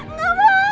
gak mau mau pulang